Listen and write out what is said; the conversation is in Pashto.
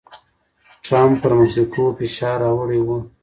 ټرمپ پر مکسیکو فشار راوړی و.